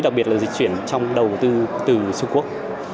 đặc biệt là dịch chuyển trong đầu tư từ trung quốc